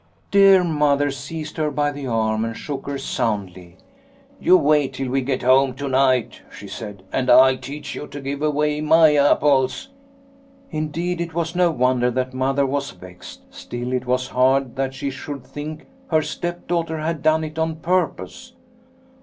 " Dear Mother seized her by the arm and shook her soundly. ' You wait till we get home to night,' said she, ' and I'll teach you to give away my apples.' " Indeed, it was no wonder that Mother was vexed, still it was hard that she should think her stepdaughter had done it on purpose.